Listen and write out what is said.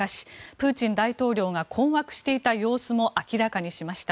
プーチン大統領が困惑していた様子も明らかにしました。